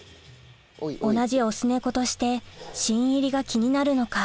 同じオス猫として新入りが気になるのか？